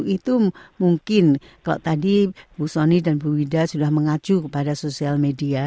itu mungkin kalau tadi bu sony dan bu wida sudah mengacu kepada sosial media